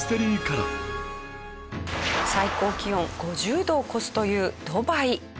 最高気温５０度を超すというドバイ。